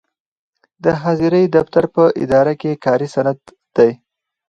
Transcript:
د حاضرۍ دفتر په اداره کې کاري سند دی.